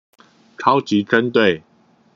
超級針對